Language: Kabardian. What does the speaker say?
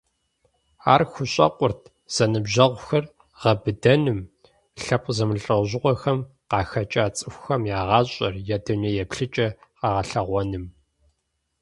Ар хущӏэкъурт зэныбжьэгъугъэр гъэбыдэным, лъэпкъ зэмылӀэужьыгъуэхэм къахэкӀа цӀыхухэм я гъащӀэр, я дуней еплъыкӀэр къэгъэлъэгъуэным.